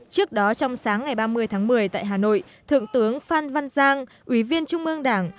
trước đó trong sáng ngày ba mươi tháng một mươi tại hà nội thượng tướng phan văn giang ủy viên trung ương đảng